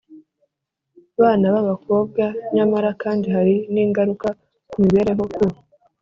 bana b’abakobwa. Nyamara kandi hari n’ingaruka ku mibereho, ku